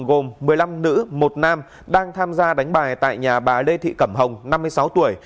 gồm một mươi năm nữ một nam đang tham gia đánh bài tại nhà bà lê thị cẩm hồng năm mươi sáu tuổi